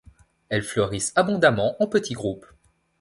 Elles fleurissent abondamment en petits groupes.